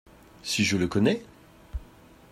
Si je le connais !